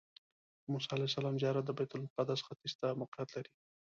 د موسی علیه السلام زیارت د بیت المقدس ختیځ ته موقعیت لري.